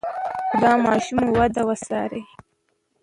د ماشوم وده وڅارئ.